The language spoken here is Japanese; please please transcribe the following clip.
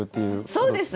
そうです。